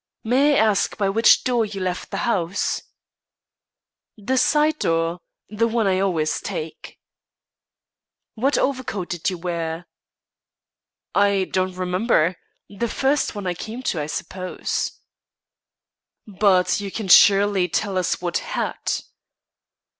"May I ask by which door you left the house?" "The side door the one I always take." "What overcoat did you wear?" "I don't remember. The first one I came to, I suppose." "But you can surely tell what hat?"